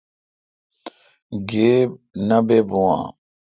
گیب نہ بہ بو اؘ۔